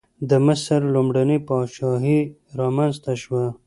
د مصر لومړنۍ پاچاهي رامنځته شوه.